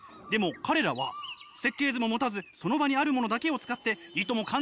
でも彼らは設計図も持たずその場にあるものだけを使っていとも